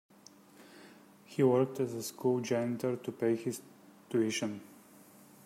He worked as a school janitor to pay his tuition.